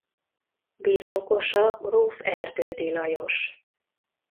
Birtokosa gróf Erdődy Lajos.